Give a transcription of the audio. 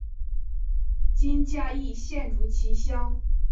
今嘉义县竹崎乡。